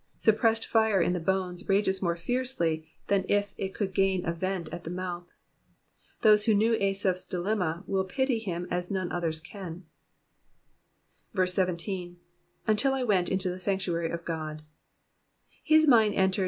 Suppressed fire in the oones rages more fiercely than if it could gain a vent at the mouth. Those who know Asaph's dilemma will pity him as none others can. 17. ^* Until I went into the sanctuary of Ood,''^ His mind entered th.